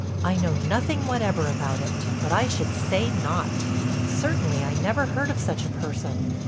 "I know nothing whatever about it, but I should say not. Certainly I never heard of such a person.